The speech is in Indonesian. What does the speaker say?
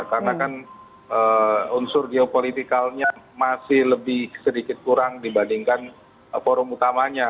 karena kan unsur geopolitikalnya masih lebih sedikit kurang dibandingkan forum utamanya